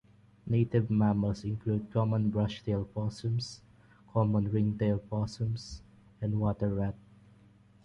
Native mammals include common brushtail possums, common ringtail possums and water rat.